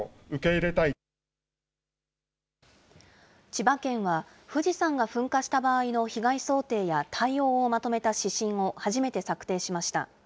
千葉県は、富士山が噴火した場合の被害想定や対応をまとめた指針を初めて策定しました。